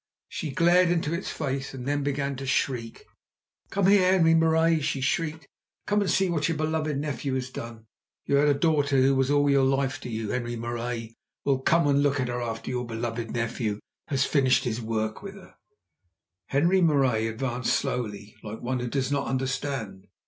She glared into its face and then began to shriek. "Come here, Henri Marais," she shrieked, "come, see what your beloved nephew has done! You had a daughter who was all your life to you, Henri Marais. Well, come, look at her after your beloved nephew has finished his work with her!" Henri Marais advanced slowly like one who does not understand.